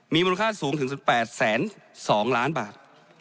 มีมูลค่าสูงถึง๑๘๒ล้านบาท